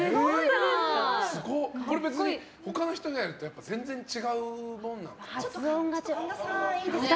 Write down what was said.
他の人がやると全然違うものなんですかね。